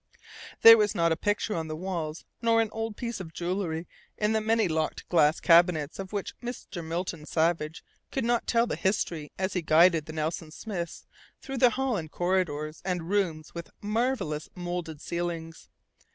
There was not a picture on the walls nor an old piece of jewellery in the many locked glass cabinets of which Mr. Milton Savage could not tell the history as he guided the Nelson Smiths through hall and corridors and rooms with marvellous moulded ceilings.